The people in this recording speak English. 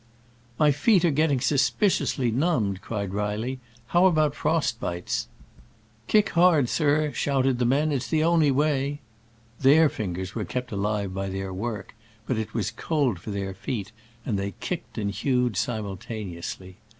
"My feet are getting suspiciously numbed," cried Reilly: "how about frost bites ?" "Kick hard, sir," shouted the men: "it's the only way." Tkeir fingers were kept alive by their work, but it was cold for their feet, and they kicked and hewed simultaneously.